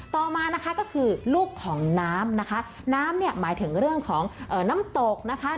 ต่อมานะคะก็คือลูกของน้ำนะคะน้ำเนี่ยหมายถึงเรื่องของน้ำตกนะคะ